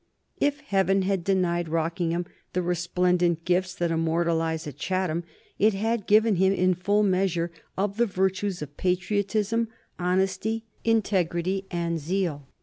If heaven had denied Rockingham the resplendent gifts that immortalize a Chatham, it had given him in full measure of the virtues of patriotism, honesty, integrity, and zeal.